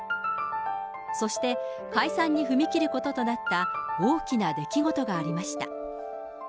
そして、解散に踏み切ることとなった大きな出来事がありました。